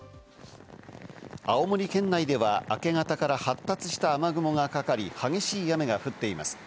青森県内では明け方から発達した雨雲がかかり、激しい雨が降っています。